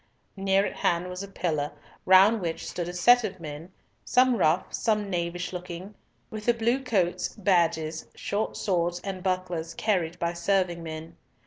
Near at hand was a pillar, round which stood a set of men, some rough, some knavish looking, with the blue coats, badges, short swords, and bucklers carried by serving men.